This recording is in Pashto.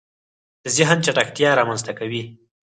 د زهن چټکتیا رامنځته کوي